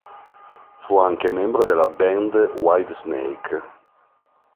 Fu anche membro della band Whitesnake.